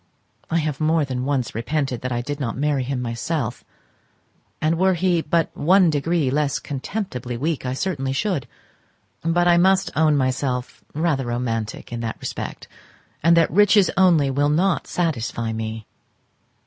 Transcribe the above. I have more than once repented that I did not marry him myself; and were he but one degree less contemptibly weak I certainly should: but I must own myself rather romantic in that respect, and that riches only will not satisfy me.